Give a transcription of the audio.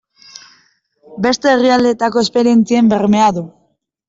Beste herrialdeetako esperientzien bermea du.